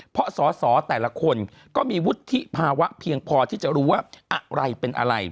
เพราะสอสอแต่ละคนก็มีวุฒิภาวะเพียงพอที่จะรู้ว่าอะไรเป็นอะไร